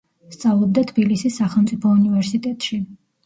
სწავლობდა თბილისის სახელმწიფო უნივერსიტეტში.